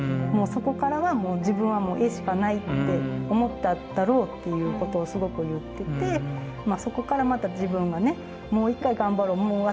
もうそこからは自分はもう絵しかないって思っただろうっていうことをすごく言っててそこからまた自分がねもう一回頑張ろう